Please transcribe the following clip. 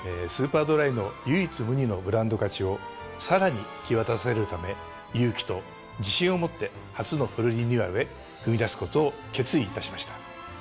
「スーパードライ」の唯一無二のブランド価値をさらに際立たせるため勇気と自信を持って初のフルリニューアルへ踏み出すことを決意いたしました。